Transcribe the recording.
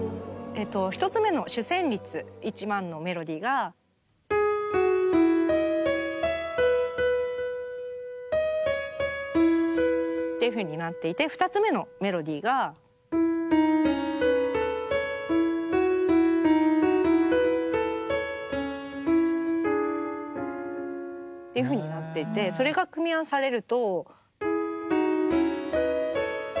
１つ目のっていうふうになっていて２つ目のメロディーが。っていうふうになっていてそれが組み合わされると。